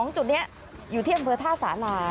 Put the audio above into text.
จุดนี้อยู่ที่อำเภอท่าสารา